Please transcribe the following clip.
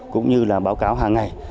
cũng như là báo cáo hàng ngày